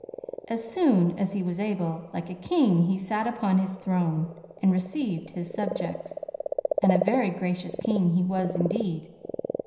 As soon as he was able, like a king he sat upon his throne and received his subjects; and a very gracious king he was, indeed.